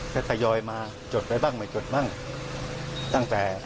จะทยอยมาจดอะไรบ้างไม่จดบ้าง